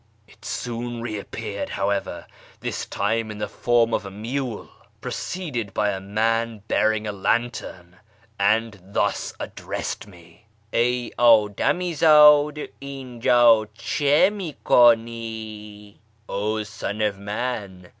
It soon reappeared, however, this time in the form of a mule, preceded by a man bearing a lantern, and thus addressed me :' Ey ddami zdd ! Iwjd cM ini ku7ii V ('0 son of man